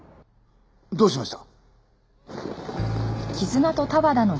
どうしました！？